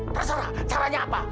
terserah caranya apa